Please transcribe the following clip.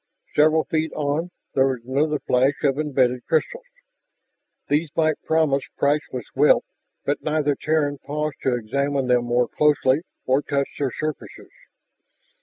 Several feet on, there was another flash of embedded crystals. Those might promise priceless wealth, but neither Terran paused to examine them more closely or touch their surfaces.